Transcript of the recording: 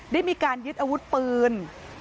ได้มีการยึดอาวุธปืน